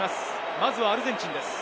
まずはアルゼンチンです。